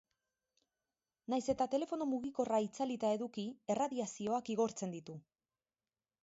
Nahiz eta, telefono mugikorra itzalita eduki erradiazioak igortzen ditu.